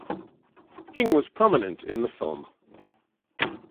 King was prominent in the film.